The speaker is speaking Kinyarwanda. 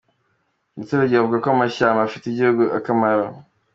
Abaturage bavuga ko amashyamba afitiye igihugu akamaro.